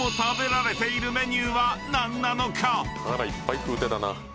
腹いっぱい食うてたな。